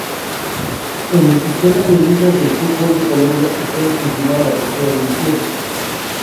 En el sistema de ligas del fútbol de Colombia está descontinuada la tercera división.